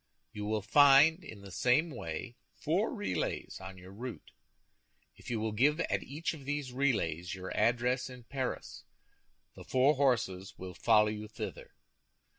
You will find, in the same way, four relays on your route. If you will give at each of these relays your address in Paris, the four horses will follow you thither.